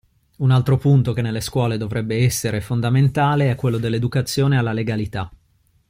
Un altro punto che nelle scuole dovrebbe essere fondamentale è quello dell'educazione alla legalità.